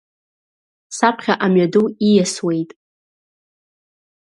Саԥхьа амҩаду ииасуеит.